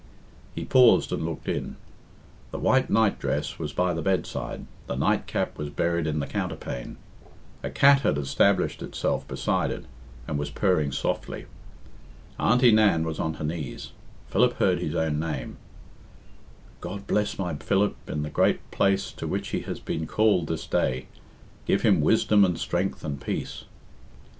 He paused and looked in. The white night dress was by the bedside, the night cap was buried in the counterpane. A cat had established itself beside it, and was purring softly. Auntie Nan was on her knees. Philip heard his own name "God bless my Philip in the great place to which he has been called this day. Give him wisdom and strength and peace!"